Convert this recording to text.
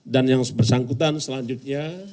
dan yang bersangkutan selanjutnya